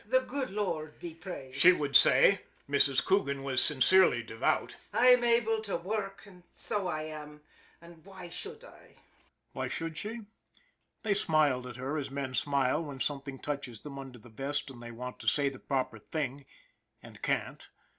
" The good Lord be praised," she would say Mrs. Coogan was sincerely devout. " I'm able to worrk, so I am, an' f why should I ?" Why should she ? They smiled at her as men smile when something touches them under the vest, and they want to say the proper thing and can't.